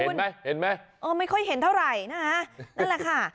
เห็นไหมเห็นไหมอ๋อไม่ค่อยเห็นเท่าไหร่นะคะนั่นแหละค่ะ